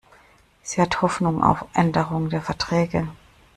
Sie hat Hoffnung auf Änderung der Verträge.